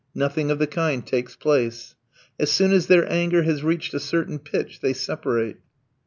Nothing of the kind takes place. As soon as their anger has reached a certain pitch they separate.